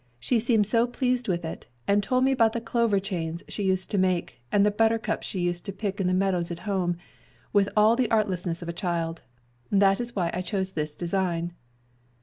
She seemed so pleased with it, and told me about the clover chains she used to make, and the buttercups she used to pick in the meadows at home, with all the artlessness of a child. That is why I chose this design."